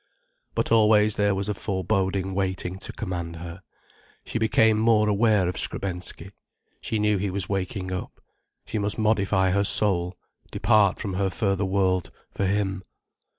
But always there was a foreboding waiting to command her. She became more aware of Skrebensky. She knew he was waking up. She must modify her soul, depart from her further world, for him.